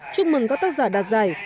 chúc mừng các tác giả đạt giải